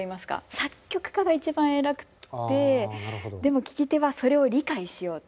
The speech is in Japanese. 作曲家が一番偉くてでも聴き手はそれを理解しようと。